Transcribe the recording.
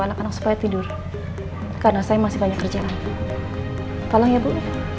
anak anak supaya tidur karena saya masih banyak kerjaan tolong ya bu